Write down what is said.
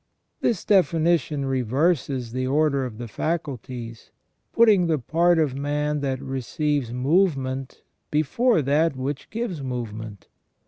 This defini tion reverses the order of the faculties, putting the part of man that receives movement before that which gives movement.